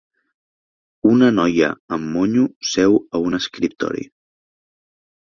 Una noia amb monyo seu a un escriptori.